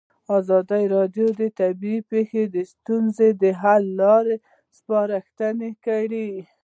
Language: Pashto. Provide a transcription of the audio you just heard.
ازادي راډیو د طبیعي پېښې د ستونزو حل لارې سپارښتنې کړي.